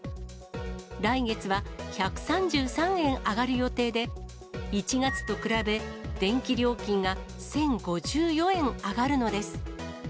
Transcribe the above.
来月は１３３円上がる予定で、１月と比べ電気料金が１０５４円上がるのです。